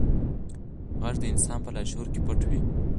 غږ د انسان په لاشعور کې پټ وي.